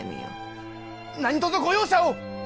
何とぞご容赦を！